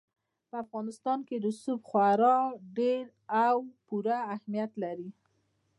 په افغانستان کې رسوب خورا ډېر او پوره اهمیت لري.